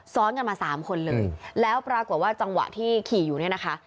ซ้อนกันมาสามคนเลยแล้วปรากฏว่าจังหวะที่ขี่อยู่เนี่ยนะคะ